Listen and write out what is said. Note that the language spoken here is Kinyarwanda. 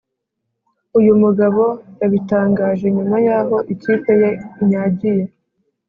uyu mugabo yabitangaje nyuma y’aho ikipe ye inyagiye